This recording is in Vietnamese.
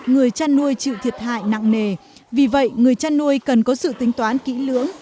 người chăn nuôi chịu thiệt hại nặng nề vì vậy người chăn nuôi cần có sự tính toán kỹ lưỡng